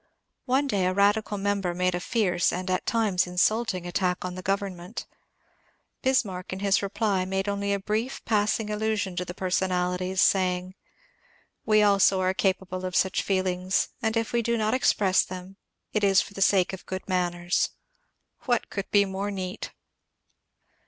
One day a radical member made a fierce and at times insulting attack on the government. Bis marck in his reply made only a brief passing allusion to the personalities, sa3ring, ^^ We also are capable of such feelings, and if we do not express them it is for the sake of good man ners." What could be more neat